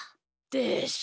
でしょ？